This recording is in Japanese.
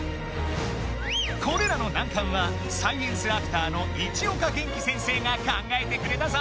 これらの難関はサイエンスアクターの市岡元気先生が考えてくれたぞ。